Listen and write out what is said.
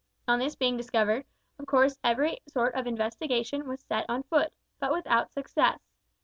On this being discovered, of course every sort of investigation was set on foot, but without success.